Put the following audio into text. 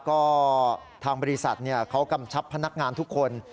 ก็ทางบริษัทเขากำชับพนักงานทุกคน